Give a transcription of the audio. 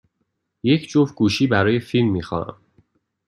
یک جفت گوشی برای فیلم می خواهم.